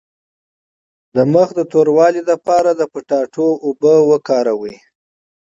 د مخ د توروالي لپاره د کچالو اوبه وکاروئ